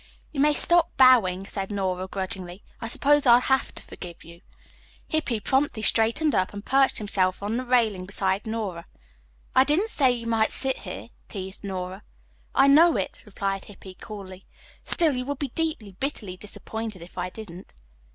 "You may stop bowing," said Nora grudgingly. "I suppose I'll have to forgive you." Hippy promptly straightened up and perched himself on the railing beside Nora. "I didn't say you might sit here," teased Nora. "I know it," replied Hippy coolly. "Still, you would be deeply, bitterly disappointed if I didn't."